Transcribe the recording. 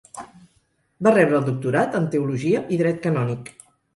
Va rebre el doctorat en Teologia i Dret Canònic.